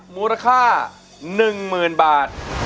มูลค่า๑๐๐๐บาท